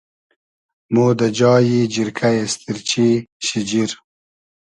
مۉ دۂ جایی جیرکۂ اېستیرچی, شیجیر